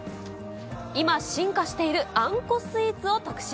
今進化しているあんこスイーツを特集。